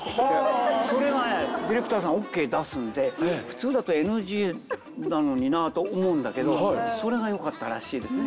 それがねディレクターさんがオーケー出すんで普通だとＮＧなのになと思うんだけどそれが良かったらしいですね。